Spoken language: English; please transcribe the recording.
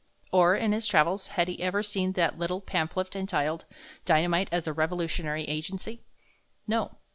Or, in his travels, had he ever seen that little pamphlet entitled, "Dynamite as a Revolutionary Agency?" No.